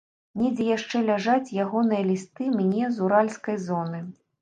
Недзе яшчэ ляжаць ягоныя лісты мне з уральскай зоны.